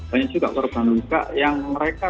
banyak juga korban luka yang mereka